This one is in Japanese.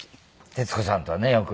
徹子さんとはねよく。